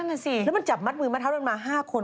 อ้อนั่นสิแล้วมันจับมัดมือมาทั้ง๕คน